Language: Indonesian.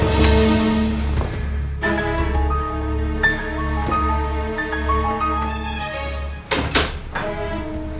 paket makanan buat bu andin